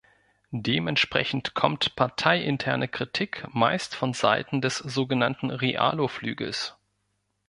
Dementsprechend kommt parteiinterne Kritik meist von Seiten des sogenannten Realo-Flügels.